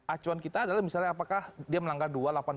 acuan kita adalah misalnya apakah dia melanggar dua ratus delapan puluh